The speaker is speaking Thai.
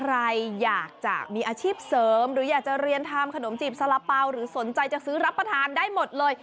ใครอยากจะมีอาชีพเสริมหรืออยากจะเรียนทำขนมจีบสารเป๋าหรือสนใจจะซื้อรับประทานได้หมดเลย